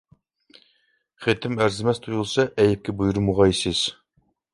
خېتىم ئەرزىمەس تۇيۇلسا ئەيىبكە بۇيرۇمىغايسىز.